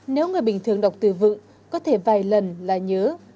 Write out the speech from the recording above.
nếu người bình thường đọc từ vựng có thể vài lần là nhớ